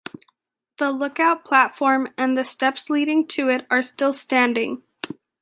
The lookout platform and the steps leading to it are still standing.